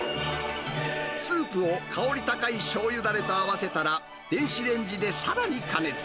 スープを香り高いしょうゆだれと合わせたら、電子レンジでさらに加熱。